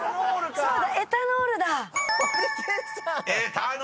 「エタノール」か！